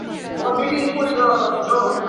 中华人民共和国机场列表